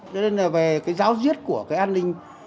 cho nên là về cái giáo diết của cái an ninh